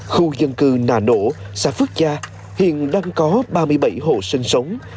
khu dân cư nà nỗ xã phước gia hiện đang có ba mươi bảy hộ sinh sống